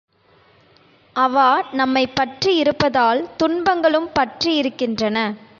அவா நம்மைப் பற்றியிருப்பதால் துன்பங்களும் பற்றியிருக்கின்றன.